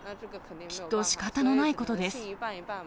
きっとしかたのないことです。